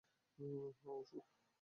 হ্যাঁ, অশোক।